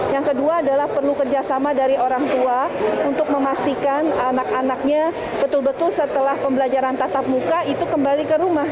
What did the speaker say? yang kedua adalah perlu kerjasama dari orang tua untuk memastikan anak anaknya betul betul setelah pembelajaran tatap muka itu kembali ke rumah